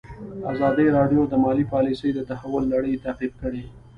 ازادي راډیو د مالي پالیسي د تحول لړۍ تعقیب کړې.